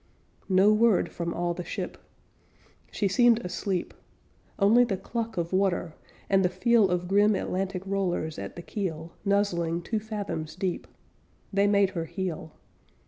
No word from all the ship She seemed asleep Only the cluck of water and the feel Of grim Atlantic rollers at the keel, Nuzzling two fathoms deep; They made her heel.